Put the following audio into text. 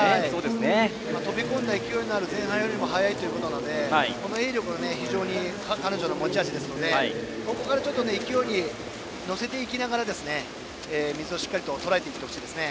飛び込んだ勢いのある前半よりも速いということで泳力も彼女の持ち味ですのでそこから勢いに乗せていきながら水をしっかりとらえてほしいです。